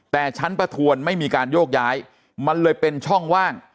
แต่ชั้นประทวนไม่มีการโยกย้ายมันเลยเป็นช่องว่าง